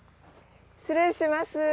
失礼します。